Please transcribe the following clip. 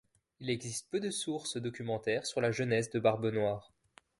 Il existe peu de sources documentaires sur la jeunesse de Barbe Noire.